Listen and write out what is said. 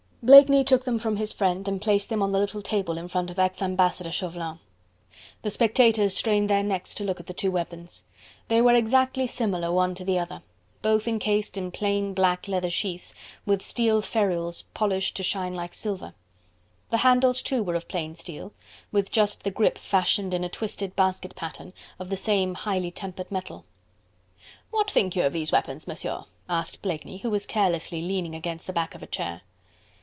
Blakeney took them from his friend and placed them on the little table in front of ex Ambassador Chauvelin. The spectators strained their necks to look at the two weapons. They were exactly similar one to the other: both encased in plain black leather sheaths, with steel ferrules polished to shine like silver; the handles too were of plain steel, with just the grip fashioned in a twisted basket pattern of the same highly tempered metal. "What think you of these weapons, Monsieur?" asked Blakeney, who was carelessly leaning against the back of a chair.